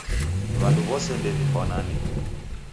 W'andu wose ndew'ifwanane.